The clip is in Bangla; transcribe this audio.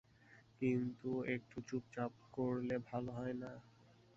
কিন্তু একটু চুপচাপ করলে ভালো হয় না?